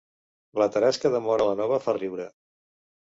La tarasca de Móra la Nova fa riure